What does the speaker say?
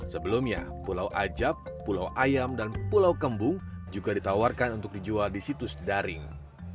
sebelumnya pulau ajab pulau ayam dan pulau kembung juga ditawarkan untuk dijual di situs daring